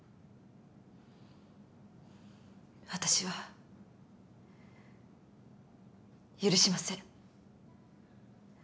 私は許しません。